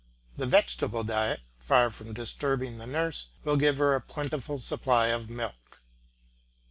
The vegetable diet, far from disturbing the nurse, will give her a plentiful supply of milk.